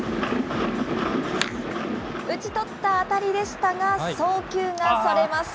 打ち取った当たりでしたが、送球がそれます。